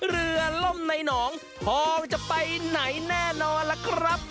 เรือล่มในหนองทองจะไปไหนแน่นอนล่ะครับ